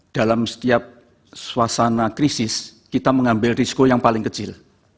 dalam setiap suasana krisis kita mengambil risiko yang paling kecil